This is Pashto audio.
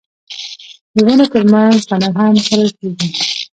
د ونو ترمنځ غنم هم کرل کیږي.